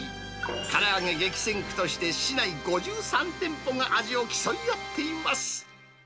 から揚げ激戦区として市内５３店舗が味を競い合っています。